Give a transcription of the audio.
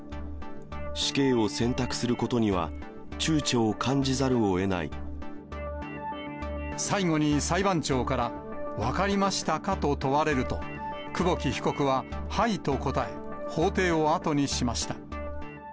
死刑を選択することには、最後に裁判長から、分かりましたかと問われると、久保木被告ははいと答え、法廷を後にしました。